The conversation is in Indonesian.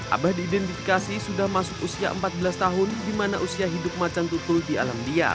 abah diidentifikasi sudah masuk usia empat belas tahun di mana usia hidup macan tutul di alam liar